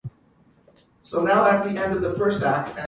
This too, never happened in real life.